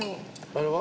あれは？